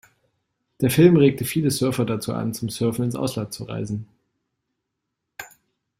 Der Film regte viele Surfer dazu an, zum Surfen ins Ausland zu reisen.